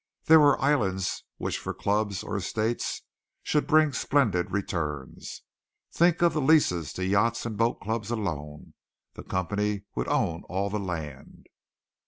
There were islands which for clubs or estates should bring splendid returns. Think of the leases to yacht and boat clubs alone! The company would own all the land.